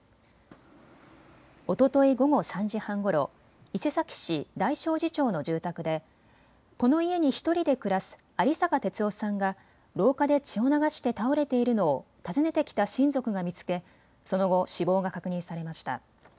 おととい午後３時半ごろ伊勢崎市大正寺町の住宅でこの家に１人で暮らす有坂鐵男さんが廊下で血を流して倒れているのを訪ねてきた親族が見つけその後、死亡が確認されました。